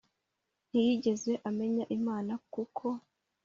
ntiyigeze amenya Imana kuko